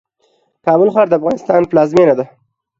کابل ښار د افغانستان پلازمېنه ده